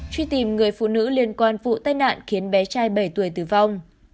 truy tìm người phụ nữ liên quan vụ tai nạn khiến bé trai bảy tuổi tử vong